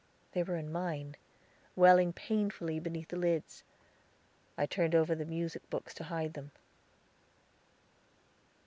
They were in mine, welling painfully beneath the lids. I turned over the music books to hide them.